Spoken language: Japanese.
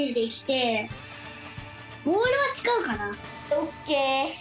オッケー。